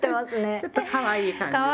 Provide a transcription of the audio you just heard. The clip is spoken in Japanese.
ちょっとかわいい感じですかね。